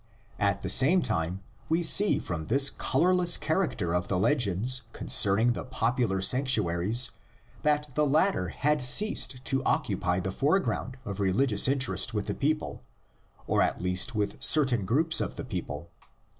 At the same time we see from this colorless charac ter of the legends concerning the popular sanctuaries that the latter had ceased to occupy the foreground of religious interest with the people, or at least with certain groups of the people.